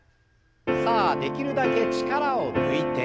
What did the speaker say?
さあできるだけ力を抜いて。